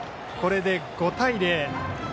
これで５対０。